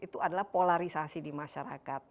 itu adalah polarisasi di masyarakat